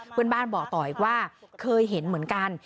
เพื่อนบ้านบอกต่ออีกว่าเคยเห็นเหมือนกัน